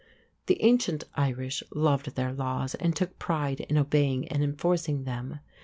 The ancient Irish loved their laws and took pride in obeying and enforcing them.